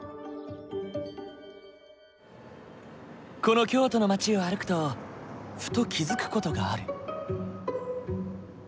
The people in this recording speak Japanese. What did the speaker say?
この京都の街を歩くとふと気付く事がある。